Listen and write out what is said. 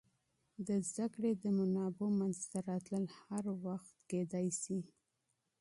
د علم د منابعو منځته راتلل هر وخت ممکن دی.